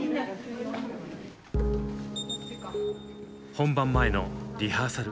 本番前のリハーサル。